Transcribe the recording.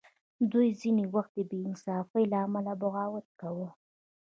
دوی ځینې وخت د بې انصافۍ له امله بغاوت کاوه.